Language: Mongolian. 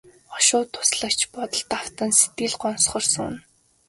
Хошуу туслагч бодолд автан сэтгэл гонсгор сууна.